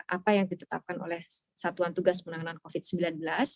apa yang ditetapkan oleh satuan tugas penanganan covid sembilan belas